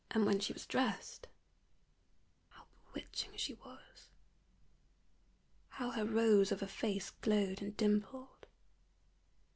And when she was dressed how bewitching she was! how her rose of a face glowed and dimpled!